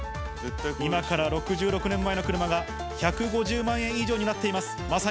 今から６６年前の車が１５０万円以上になっています。